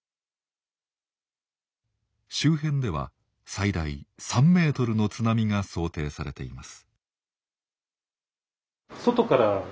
周辺では最大３ｍの津波が想定されています。